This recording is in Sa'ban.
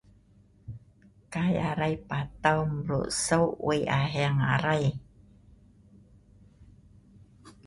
Kai arai patau mreu’ sau Wei a Heng arai